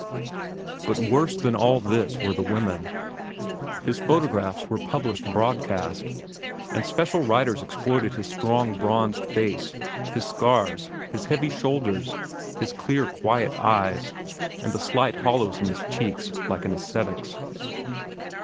But worse than all this were the women. His photographs were published broadcast, and special writers exploited his strong, bronzed face, his scars, his heavy shoulders, his clear, quiet eyes, and the slight hollows in his cheeks like an ascetic's.